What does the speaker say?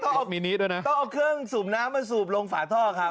ต้องเอาเครื่องสูบน้ำมาสูบลงฝาท่อฟรรดาย